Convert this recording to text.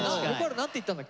何て言ったんだっけ？